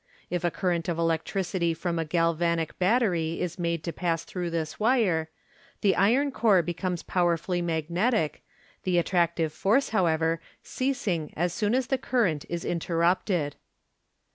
If a current of electricity from a galvanic battery is made to pass through this wire, the iron core becomes powerfully magnetic, the attractive force, however, ceasing as soon as the current is inter rupted.